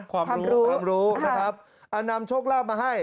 ความรู้ความรู้นะครับนำโชคลาภมาให้